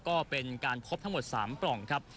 ก็เป็นการพบทั้งหมด๓ปล่องครับ